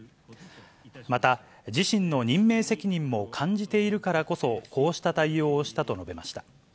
また、自身の任命責任も感じているからこそ、こうした対応をしたと述べました。